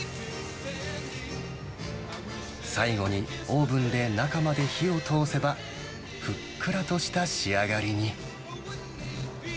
最後にオーブンで中まで火を通せば、ふっくらとした仕上がりに。